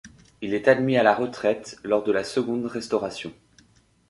Il est admis à la retraite lors de la Seconde Restauration.